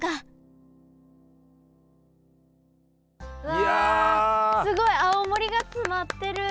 うわすごい青森が詰まってる！